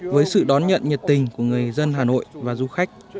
với sự đón nhận nhiệt tình của người dân hà nội và du khách